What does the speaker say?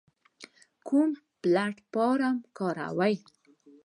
کوم پلتفارم کاروئ؟